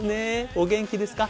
お元気ですか？